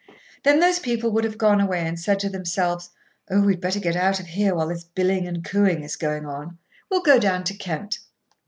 Then those people would have gone away and said to themselves: "Oh! we'd better get out of here while this billing and cooing is on. We'll go down to Kent."